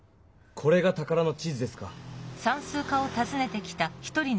これが宝の地図ですか。